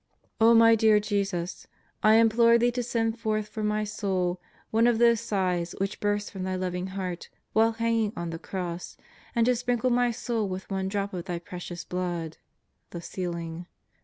my dear Jesus, I implore Thee to send forth for my soul, one of those sighs which burst from Thy loving heart while hanging on the Cross, and to sprinkle my soul with one drop of Thy Precious Blood (the sealing)